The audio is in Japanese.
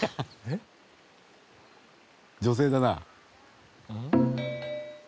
女性だな。